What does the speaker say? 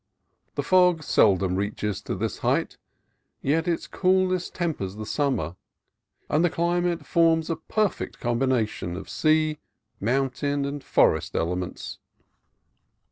The fog seldom reaches to this height; yet its cool ness tempers the summer, and the climate forms a perfect combination of the sea, mountain, and forest elements.